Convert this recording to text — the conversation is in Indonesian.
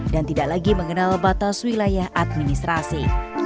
dan tidak lagi mengenal batas wilayah administrasi